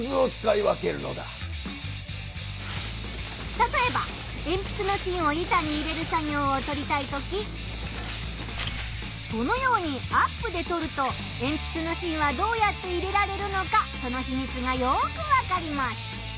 たとえばえんぴつの芯を板に入れる作業を撮りたいときこのようにアップで撮るとえんぴつの芯はどうやって入れられるのかそのひみつがよくわかります。